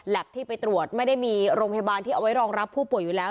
ที่ไปตรวจไม่ได้มีโรงพยาบาลที่เอาไว้รองรับผู้ป่วยอยู่แล้ว